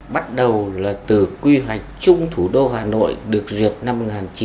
bắt đầu là từ quy hoạch chung thủ đô hà nội được duyệt năm một nghìn chín trăm bảy mươi